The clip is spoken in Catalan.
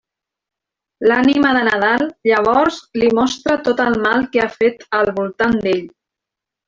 L'ànima de Nadal llavors li mostra tot el mal que ha fet al voltant d'ell.